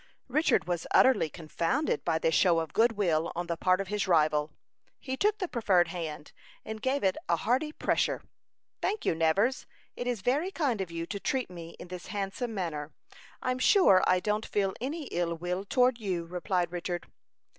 Richard was utterly confounded by this show of good will on the part of his rival. He took the proffered hand, and gave it a hearty pressure. "Thank you, Nevers; it is very kind of you to treat me in this handsome manner. I'm sure I don't feel any ill will toward you," replied Richard.